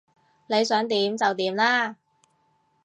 你想點就點啦